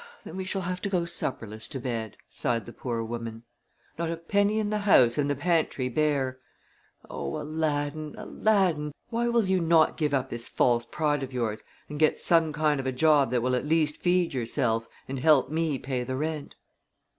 "Then we shall have to go supperless to bed," sighed the poor woman. "Not a penny in the house and the pantry bare. Oh, Aladdin, Aladdin, why will you not give up this false pride of yours and get some kind of a job that will at least feed yourself and help me pay the rent?"